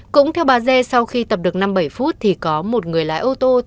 cũng theo bà d sau khi tập được năm bảy phút thì có một người lái ô tô